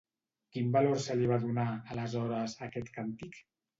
Quin valor se li va donar, aleshores, a aquest càntic?